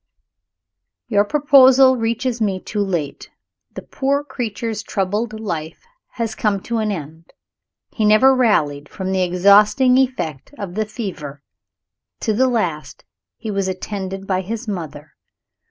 Your proposal reaches me too late. The poor creature's troubled life has come to an end. He never rallied from the exhausting effect of the fever. To the last he was attended by his mother.